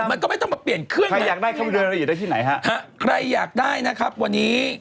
เด็ดมั้ยล่ะเด็ดนี่